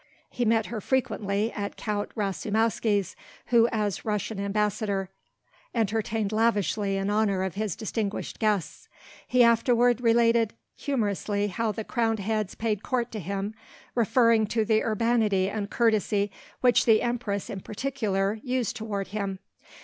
He met her frequently at Count Rasoumowsky's, who as Russian Ambassador entertained lavishly in honor of his distinguished guests. He afterward related humorously how the crowned heads paid court to him, referring to the urbanity and courtesy which the Empress in particular, used toward him.